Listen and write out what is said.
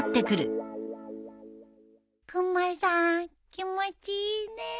クマさん気持ちいいね。